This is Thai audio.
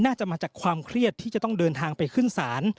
น่าจะมาจากความเครียดที่จะต้องเดินทางไปขึ้นศาล